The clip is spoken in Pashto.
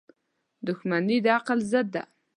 • دښمني د عقل ضد ده.